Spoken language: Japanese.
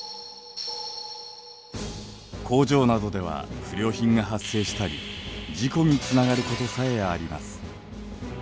工場などでは不良品が発生したり事故につながることさえあります。